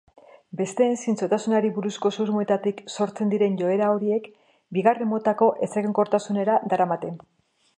Besteen zintzotasunari buruzko susmoetatik sortzen diren joera horiek bigarren motako ezegonkortasunera daramate.